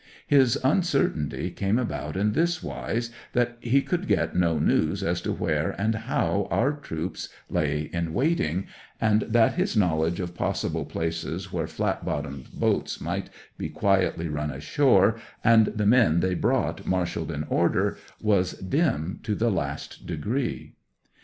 His uncertainty came about in this wise, that he could get no news as to where and how our troops lay in waiting, and that his knowledge of possible places where flat bottomed boats might be quietly run ashore, and the men they brought marshalled in order, was dim to the last degree.